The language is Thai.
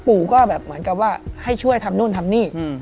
ปู่ก็แบบเหมือนกับว่าให้ช่วยทำนู่นทำนี่